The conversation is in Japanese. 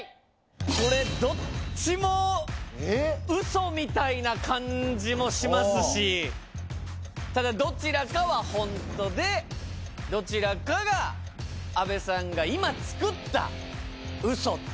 これどっちも嘘みたいな感じもしますしただどちらかはホントでどちらかが阿部さんが今作った嘘。